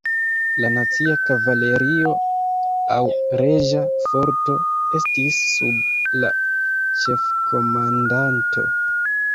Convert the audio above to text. La "Nacia Kavalerio" aŭ "Reĝa Forto" estis sub la ĉefkomandanto.